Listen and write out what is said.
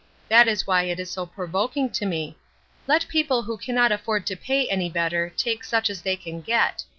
That is why it is so provoking to me. Let people who cannot afford to pay any better take such as they can get.